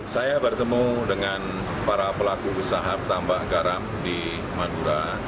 saya bertemu dengan para pelaku usaha tambak garam di madura